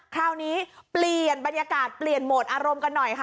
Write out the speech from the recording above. คราวนี้เปลี่ยนบรรยากาศเปลี่ยนโหมดอารมณ์กันหน่อยค่ะ